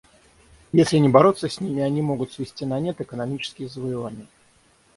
Если не бороться с ними, они могут свести на нет экономические завоевания.